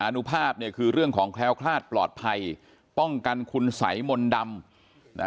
นุภาพเนี่ยคือเรื่องของแคล้วคลาดปลอดภัยป้องกันคุณสัยมนต์ดำนะ